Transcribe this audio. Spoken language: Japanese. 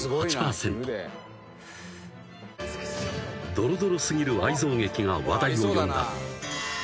［どろどろ過ぎる愛憎劇が話題を呼んだ］